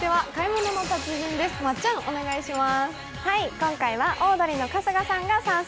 今回はオードリーの春日さんが参戦。